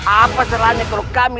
apa seranai kalau kami